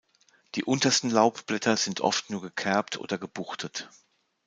Die untersten Laubblätter sind oft nur gekerbt oder gebuchtet.